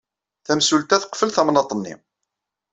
Tamsulta teqfel tamnaḍt-nni.